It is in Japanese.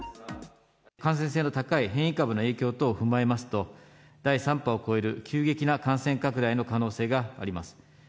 感染性の高い変異株の影響等を踏まえますと、第３波を超える急激な感染拡大の可能性があります。